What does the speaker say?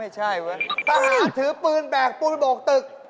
สหาทือปืนแบกภูมิบวกตึก